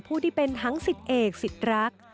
ผู้ที่เป็นทั้งศิษย์เอกศิษย์รัก